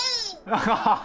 アハハハ！